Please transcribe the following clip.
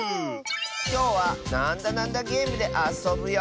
きょうは「なんだなんだゲーム」であそぶよ。